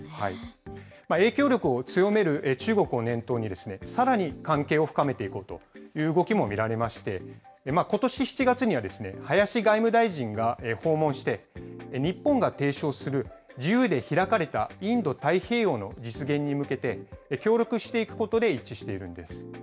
影響力を強める中国を念頭に、さらに関係を深めていこうという動きも見られまして、ことし７月には林外務大臣が訪問して、日本が提唱する自由で開かれたインド太平洋の実現に向けて、協力していくことで一致しているんです。